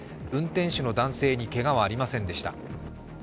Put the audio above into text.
運転手の男性にけがはありませんでした。